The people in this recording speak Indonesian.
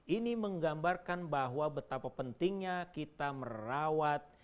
ini menggambarkan bahwa betapa pentingnya kita merawat egaliter kita merawat multikultur